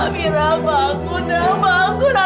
amira bangun nak bangun amira bangun ini ibu